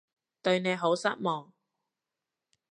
對你好失望